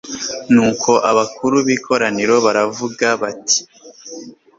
nuko abakuru b'ikoraniro baravuga bati